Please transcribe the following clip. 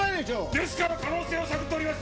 ですから可能性を探っております！